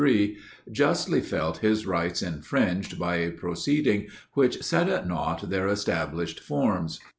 1053), justly felt his rights infringed by a proceeding which set at nought their established forms.